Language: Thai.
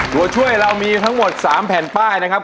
ตัวช่วยเรามีทั้งหมด๓แผ่นป้ายนะครับ